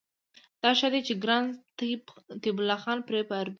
دا ښه ده چې ګران طيب الله خان پرې په اردو